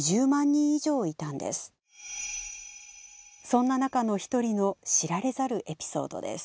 そんな中の一人の知られざるエピソードです。